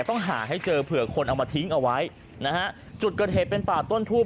ต้องหาให้เจอเผื่อคนเอามาทิ้งเอาไว้นะฮะจุดเกิดเหตุเป็นป่าต้นทูบ